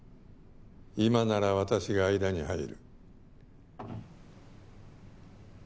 今なら私が間に入る。